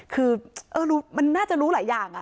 คือมันน่าจะรู้หลายอย่าง